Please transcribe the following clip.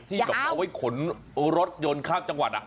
ที่เอาไว้ขนรถยนต์ข้างจังหวัดอ่ะค่ะ